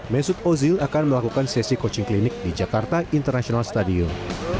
mesut ozil akan melakukan sesi coaching klinik di jakarta international stadium